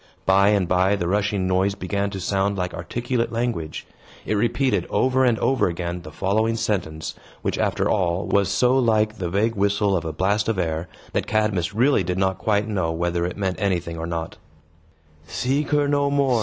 By and by, the rushing noise began to sound like articulate language. It repeated, over and over again, the following sentence, which, after all, was so like the vague whistle of a blast of air, that Cadmus really did not quite know whether it meant anything or not: "Seek her no more!